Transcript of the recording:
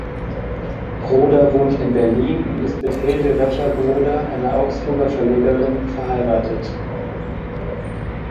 Broder wohnt in Berlin und ist mit Hilde Recher-Broder, einer Augsburger Verlegerin, verheiratet.